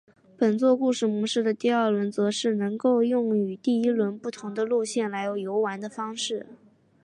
本作故事模式的第二轮则是能够用与第一轮不同的路线来游玩的方式。